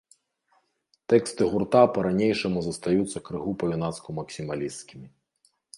Тэксты гурта па-ранейшаму застаюцца крыху па-юнацку максімалісцкімі.